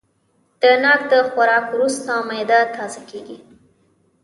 د ناک د خوراک وروسته معده تازه کېږي.